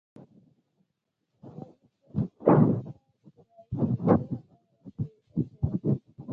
او ازاد سوچ خلاف سخته پراپېګنډه اوچلوله